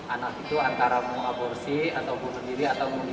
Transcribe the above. anak itu antara mau aborsi atau mau berdiri atau mau dibuang biasanya